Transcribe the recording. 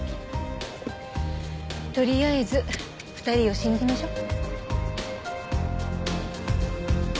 とりあえず２人を信じましょう。